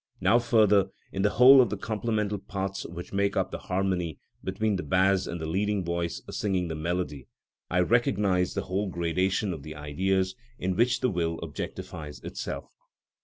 Now, further, in the whole of the complemental parts which make up the harmony between the bass and the leading voice singing the melody, I recognise the whole gradation of the Ideas in which the will objectifies itself.